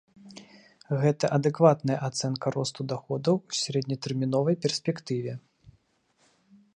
Гэта адэкватная ацэнка росту даходаў у сярэднетэрміновай перспектыве.